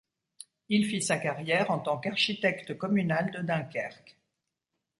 Il fit sa carrière en tant qu’architecte communal de Dunkerque.